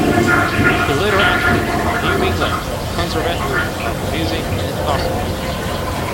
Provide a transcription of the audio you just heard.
He later attended the New England Conservatory of Music in Boston.